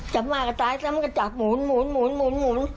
จับมากก็ตายซะมันก็จับหมุนหมุนหมุนหมุนหมุน